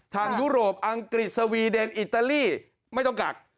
ยุโรปอังกฤษสวีเดนอิตาลีไม่ต้องกัก